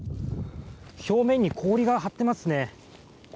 表面に氷が張っていますね。